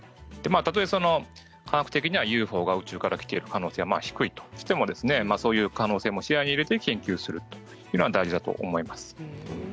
たとえ、科学的にはＵＦＯが宇宙から来ている可能性が低いとしてもそういう可能性も視野に入れて研究するというのが大事だと思います。